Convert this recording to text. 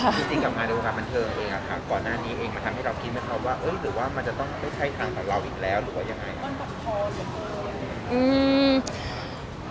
ก่อนหน้านี้เอ็งมาทำให้เราคิดไหมคะว่าเอ๊ยหรือว่ามันจะต้องไม่ใช่ทางต่อเราอีกแล้วหรือว่ายังไง